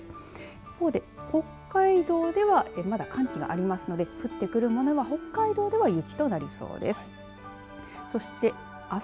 一方で北海道ではまだ寒気がありますので降ってくるものは北海道では雪となりそうです。